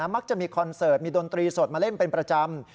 มักจะมีคอนเสิร์ตมีดนตรีสดมาเล่นเป็นประจำ